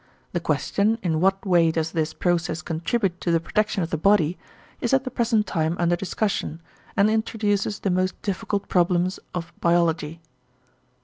The question, in what way does this process contribute to the protection of the body, is at the present time under discussion, and introduces the most difficult problems of biology.